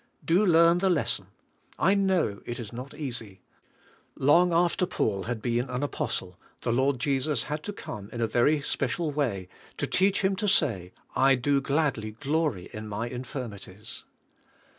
Do learn the lesson. I know it is not eas}^ Long after Paul had been an apostle, the Lord Jesus had to come in a very special way to teach him to say, "I do gladly glor3' in my infirmities."